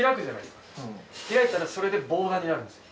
開いたらそれで防犯になるんですよ。